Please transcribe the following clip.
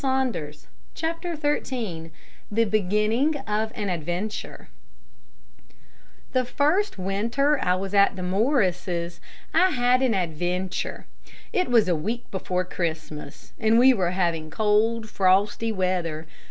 CHAPTER XIII THE BEGINNING OF AN ADVENTURE The first winter I was at the Morrises', I had an adventure. It was a week before Christmas, and we were having cold, frosty weather.